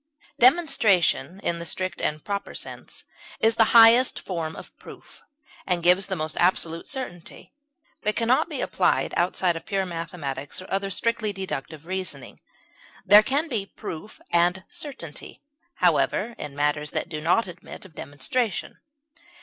Demonstration, in the strict and proper sense, is the highest form of proof, and gives the most absolute certainty, but can not be applied outside of pure mathematics or other strictly deductive reasoning; there can be proof and certainty, however, in matters that do not admit of demonstration.